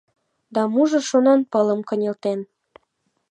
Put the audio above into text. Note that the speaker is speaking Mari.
Да мужыр шонанпылым кынелтен.